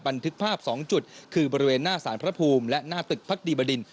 บันทึกภาพ๒จุดคือบริเวณหน้าสารพระภูมิและหน้าตึกพักดีบดิน